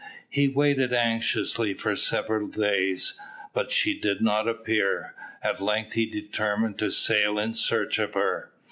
He waited anxiously for several days, but she did not appear. At length he determined to sail in search of her.